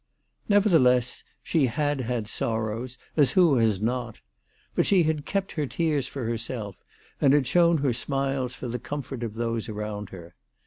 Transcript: Nevertheless she had had sorrows, as who has not ? But she had kept her tears for herself, and had shown her smiles for the comfort, of those around her.